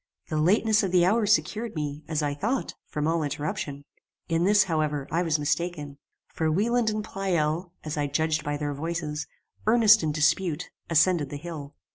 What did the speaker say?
The lateness of the hour secured me, as I thought, from all interruption. In this, however, I was mistaken, for Wieland and Pleyel, as I judged by their voices, earnest in dispute, ascended the hill.